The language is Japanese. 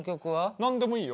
何でもいいよ。